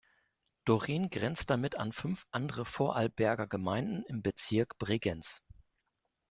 Doren grenzt damit an fünf andere Vorarlberger Gemeinden im Bezirk Bregenz.